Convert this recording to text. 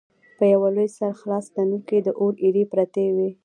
په یوه لوی سره خلاص تنور کې د اور ایرې پرتې وې.